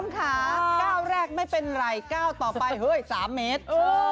ค่ะก้าวแรกไม่เป็นไรก้าวต่อไปเฮ้ย๓เมตร